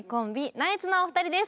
ナイツのお二人です。